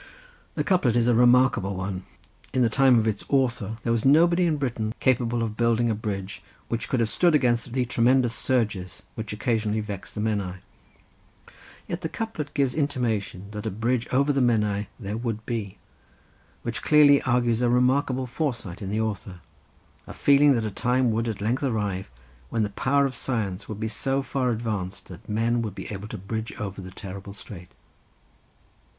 The couplet is a remarkable one. In the time of its author there was nobody in Britain capable of building a bridge, which could have stood against the tremendous surges which occasionally vex the Menai; yet the couplet gives intimation that a bridge over the Menai there would be, which clearly argues a remarkable foresight in the author, a feeling that a time would at length arrive when the power of science would be so far advanced, that men would be able to bridge over the terrible strait.